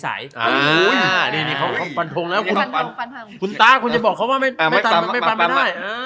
อุ้ยเดี๋ยวนี้เขาปันทงแล้วคุณตาคุณจะบอกเขาว่าไม่ปันไม่ได้